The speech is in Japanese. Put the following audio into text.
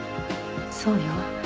そうよ。